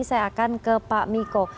saya akan ke pak miko